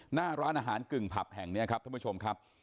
หน้าร้านอาหารกึ่งผับแห่งนี้ครับท่านผู้ชมครับ